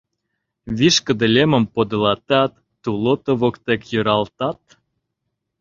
Вишкыде лемым подылатат, тулото воктек йӧралтат.